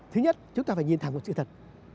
thứ nhất chúng ta phải nhìn thẳng vào sự thật